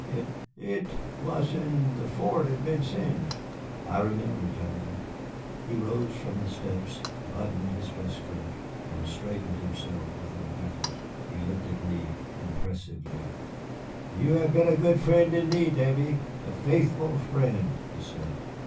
It it was in the fort at Vincennes." "I remember, General." He rose from the steps, buttoned his waistcoat, and straightened himself with an effort. He looked at me impressively. "You have been a good friend indeed, Davy, a faithful friend," he said.